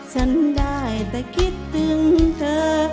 ฉันได้แต่คิดถึงเธอ